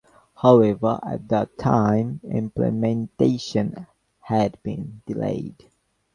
However, at the time, implementation had been delayed.